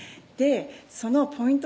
そのポイント